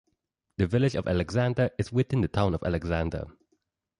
The village of Alexander is within the town of Alexander.